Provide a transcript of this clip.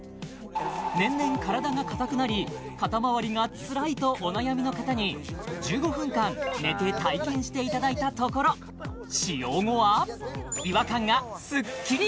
年々体が硬くなり肩周りがつらいとお悩みの方に１５分間寝て体験していただいたところ使用後は違和感がスッキリ！